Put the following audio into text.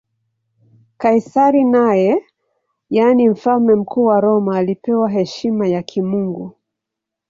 Kaisari naye, yaani Mfalme Mkuu wa Roma, alipewa heshima ya kimungu.